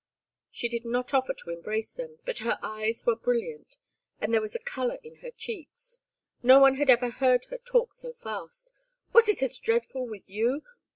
She did not offer to embrace them, but her eyes were brilliant, and there was a color in her cheeks. And no one had ever heard her talk so fast. "Was it as dreadful with you?